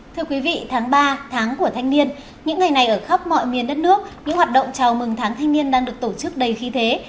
thưa quý vị tháng ba tháng của thanh niên những ngày này ở khắp mọi miền đất nước những hoạt động chào mừng tháng thanh niên đang được tổ chức đầy khí thế